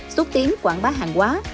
xúc tiến quảng bá hàng quá